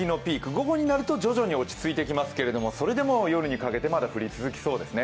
午後になると徐々に落ち着いてきますけれどもそれでも夜にかけて、まだ降り続きそうですね。